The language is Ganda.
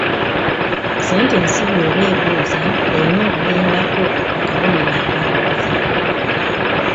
Sentensi bw’eba ebuuza, erina okugendako akabonero akabuuza.